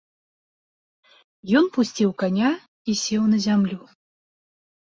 Ён пусціў каня і сеў на зямлю.